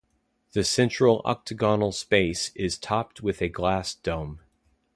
The central octagonal space is topped with a glass dome.